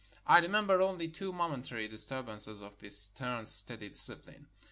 I remember only two momentary disturbances of this stern, steady discipline.